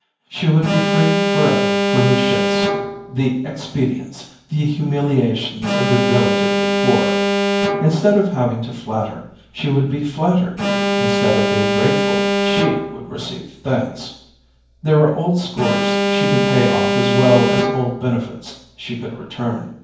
She would be free forever from the shifts, the expedients, the humiliations of the relatively poor. Instead of having to flatter, she would be flattered; instead of being grateful, she would receive thanks. There were old scores she could pay off as well as old benefits she could return.